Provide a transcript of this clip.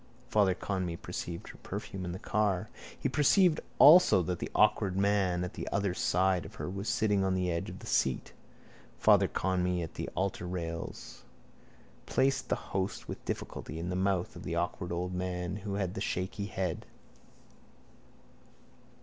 Father Conmee perceived her perfume in the car. He perceived also that the awkward man at the other side of her was sitting on the edge of the seat. Father Conmee at the altarrails placed the host with difficulty in the mouth of the awkward old man who had the shaky head.